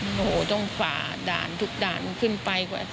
โอ้โหต้องฝ่าด่านทุกด่านขึ้นไปกว่า